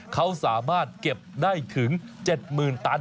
เขาสามารถเก็บได้ถึง๗๐๐ตัน